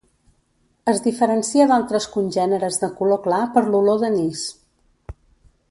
Es diferencia d'altres congèneres de color clar per l'olor d'anís.